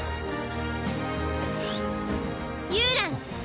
ユウラン。